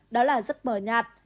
đó là rất mở nhạt